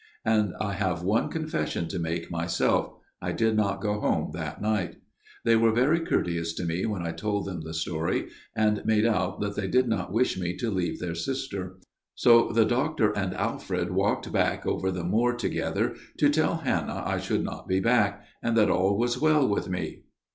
" And I have one confession to make myself I did not go home that night. They were very courteous to me when I told them the story, and made out that they did not wish me to leave their 188 A MIRROR OF SHALOTT sister ; so the doctor and Alfred walked back over the moor together to tell Hannah I should not be back, and that all was well with me.